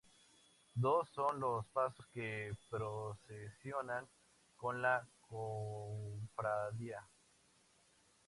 Dos son los pasos que procesionan con la cofradía.